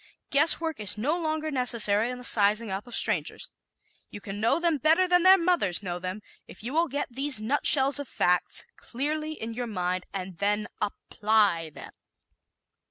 Guesswork is no longer necessary in the sizing up of strangers. You can know them better than their mothers know them if you will get these nutshells of facts clearly in your mind and then apply them.